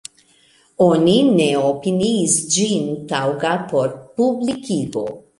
Oni ne opiniis ĝin taŭga por publikigo.